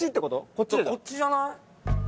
こっちじゃない？